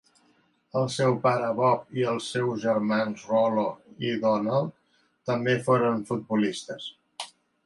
El seu pare Bob i els seus germans Rollo i Donald també foren futbolistes.